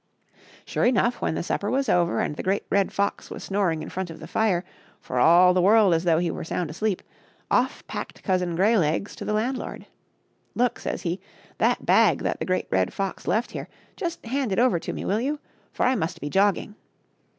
Sure enough, when the supper was over and the Great Red Fox was snoring in front of the fire, for all the world as though he were sound asleep, off packed Cousin Greylegs to the landlord. " Look," says he, " that bag that the Great Red Fox left here, just hand it over to me, will you ? for I must be jogging.